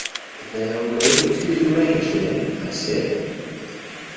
‘They are going to the Grange, then?’ I said.